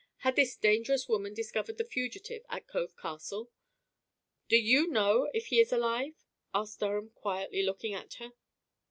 Had this dangerous woman discovered the fugitive at Cove Castle. "Do you know if he is alive?" asked Durham, quietly looking at her.